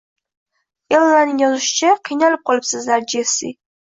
Ellaning yozishicha, qiynalib qolibsizlar, Jessi